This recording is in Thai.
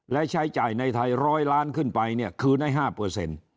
และใช้จ่ายในไทยร้อยล้านขึ้นไปเนี่ยคืนให้๕